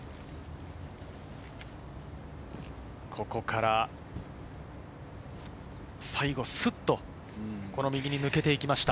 ここから最後、すっと右に抜けていきました。